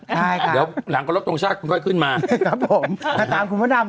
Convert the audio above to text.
กันค่ะเดี๋ยวหลังกระดับตรงชาติก็จะขึ้นมาครับผมตามคุณพระนำ